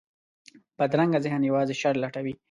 بدرنګه ذهن یوازې شر لټوي